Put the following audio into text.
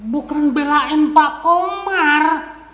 bukan belain pak komar